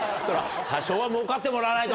多少はもうかってもらわないと。